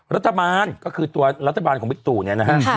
รัฐบาลก็คือตัวรัฐบาลของวิตุร์นี้นะฮะ